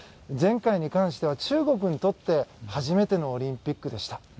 前回に関して中国にとって初めてのオリンピックでした。